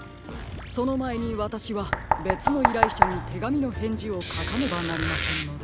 そのまえにわたしはべつのいらいしゃにてがみのへんじをかかねばなりませんので。